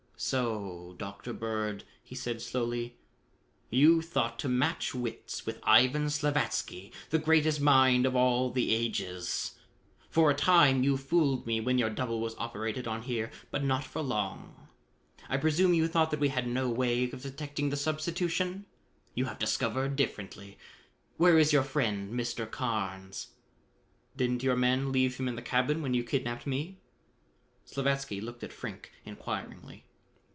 "So, Dr. Bird," he said slowly, "you thought to match wits with Ivan Slavatsky, the greatest mind of all the ages. For a time you fooled me when your double was operated on here, but not for long. I presume you thought that we had no way of detecting the substitution? You have discovered differently. Where is your friend, Mr. Carnes?" "Didn't your men leave him in the cabin when you kidnapped me?" Slavatsky looked at Frink inquiringly.